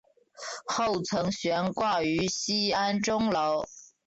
后曾悬挂于西安钟楼。